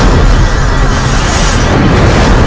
aku mengunggahi hal yang kita jadiqué upelamaan ini